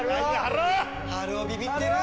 春夫ビビってる！